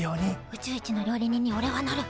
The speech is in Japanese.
宇宙一の料理人におれはなる！